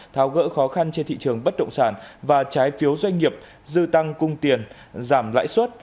tháo gỡ khó khăn trên thị trường bất động sản và trái phiếu doanh nghiệp dư tăng cung tiền giảm lãi suất